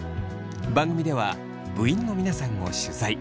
番組では部員の皆さんを取材。